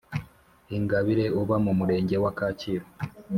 ingabire uba mu murenge wa kacyiru